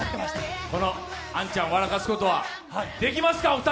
杏ちゃんを笑かすことはできますか、お二人。